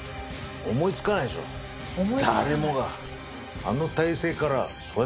誰もが。